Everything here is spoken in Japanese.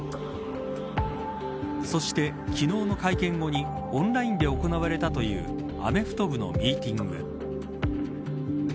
そして、昨日の会見後にオンラインで行われたというアメフト部のミーティング。